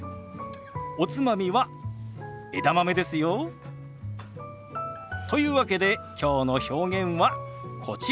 おつまみは枝豆ですよ。というわけできょうの表現はこちら。